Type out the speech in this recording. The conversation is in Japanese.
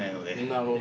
なるほど。